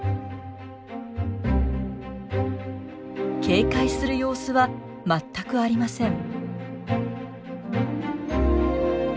警戒する様子は全くありません。